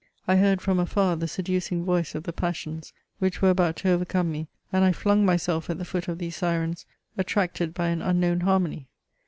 I heard from afar the seducing voice of the passions, which were about to overcome me, and I fiung myself at the foot of these syrens, attracted by an unknown harmony.